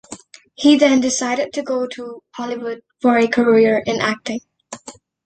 He then decided to go to Hollywood for a career in acting.